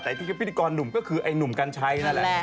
แต่จริงพิธีกรหนุ่มก็คือให้หนุ่มกันใช้